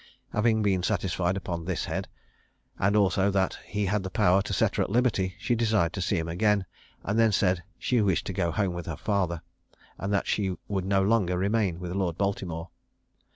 Having been satisfied upon this head, and also that he had the power to set her at liberty, she desired to see him again, and then said that she wished to go home with her father, and that she would no longer remain with Lord Baltimore.